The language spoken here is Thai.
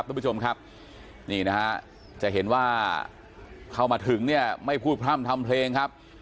ทุกผู้ชมครับนี่นะฮะจะเห็นว่าเข้ามาถึงเนี่ยไม่พูดพร่ำทำเพลงครับ